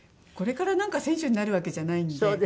これから選手になるわけじゃないんで。